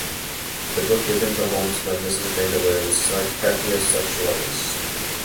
The book given to Holmes by Mrs Vandeleur is "Psychopathia Sexualis".